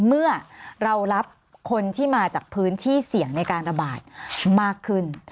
เมื่อเรารับคนที่มาจากพื้นที่เสี่ยงในการระบาดมากขึ้น